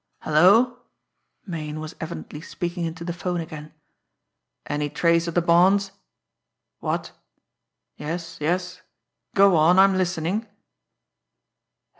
"Hello!" Meighan was evidently speaking into the 'phone again. "Any trace of the bonds? ... What? ... Yes, yes; go on, I'm listening!